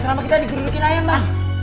selama kita digerudukin ayam bang